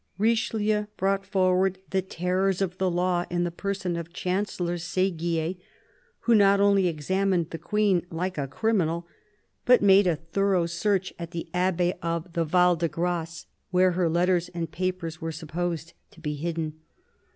Richelieu brought forward the terrors of the law in the person of Chancellor Seguier, who not only examined the Queen " like a criminal," but made a thorough search at 270 CARDINAL DE RICHELIEU the Abbey of the Val de Grace, where her letters and papers were supposed to be hidden.